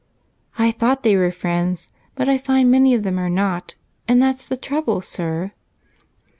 "I thought they were friends, but I find many of them are not, and that's the trouble, sir."